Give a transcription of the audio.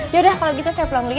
yaudah kalo gitu saya pulang dulu ya